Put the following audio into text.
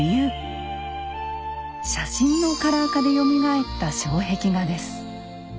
写真のカラー化でよみがえった障壁画です。